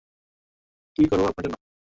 কি করবো আপনার জন্য?